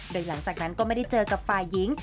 โดยหลังจากนั้นก็ไม่ได้เจอกับฝ่ายหญิง